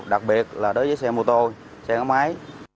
đặc biệt là đối với xe mô tô xe gắn máy